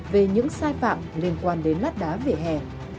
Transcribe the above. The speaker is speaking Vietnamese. về những sai phạm liên quan đến lát đá vỉa hè